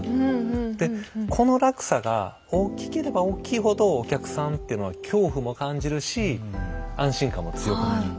でこの落差が大きければ大きいほどお客さんっていうのは恐怖も感じるし安心感も強くなる。